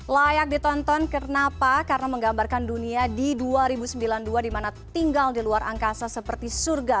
layak ditonton kenapa karena menggambarkan dunia di dua ribu sembilan puluh dua dimana tinggal di luar angkasa seperti surga